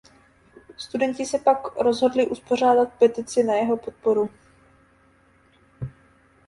Studenti se pak rozhodli uspořádat petici na jeho podporu.